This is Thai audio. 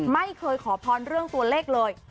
ไม่เคยขอพรเรื่องตัวเลขเลย